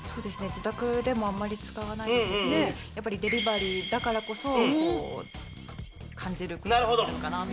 自宅でもあんまり使わないですしやっぱりデリバリーだからこそ感じることができるのかなと。